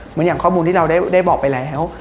อย่างข้อมูลที่เราได้บอกไปแล้ว